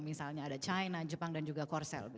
misalnya ada china jepang dan juga korsel